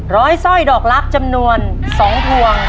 ร้อยสร้อยดอกลักษณ์จำนวน๒พวง